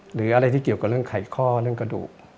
หรืออะไรที่เกี่ยวกับเรื่องไขข้อเรื่องกระดูก